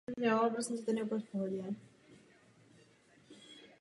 Klasifikace se provádí různými technikami.